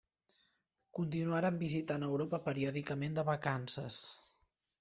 Continuarien visitant Europa periòdicament de vacances.